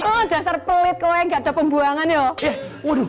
oh dasar pelit kok ya gak ada pembuangan yuk